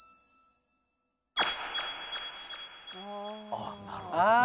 あっなるほどな。